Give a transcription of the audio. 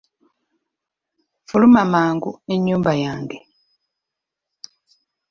Fuluma mangu ennyumba yange!